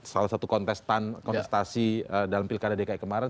salah satu kontestan kontestasi dalam pilkada dki kemarin